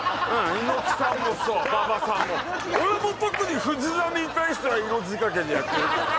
猪木さんもそう馬場さんも俺も特に藤波に対しては色仕掛けでやってるからね